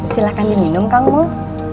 silahkan minum kang mul